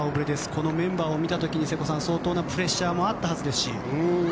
このメンバーを見た時に瀬古さん、相当なプレッシャーもあったはずですし。